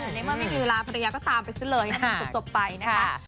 อันนี้มันไม่มีเวลาภรรยาก็ตามไปซึ่งเลยจะจบไปนะคะ